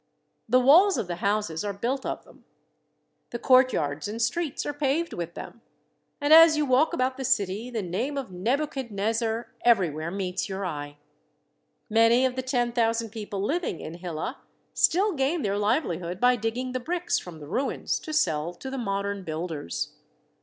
The walls of the houses are built of them. The court yards and streets are paved with them, and as you walk about the city the name of Nebuchadnezzar everywhere meets your eye. Many of the ten thousand people living in Hillah still gain their livelihood by digging the bricks from the ruins to sell to the modern builders.